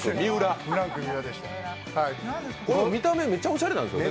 見た目めっちゃおしゃれなんですよね。